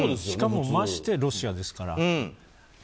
しかも、ましてロシアですから。